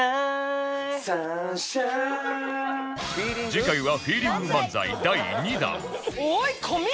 次回はフィーリング漫才第２弾おい小宮！